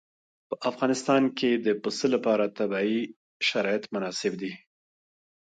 په افغانستان کې د پسه لپاره طبیعي شرایط مناسب دي.